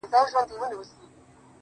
هو په همزولو کي له ټولو څخه پاس يمه.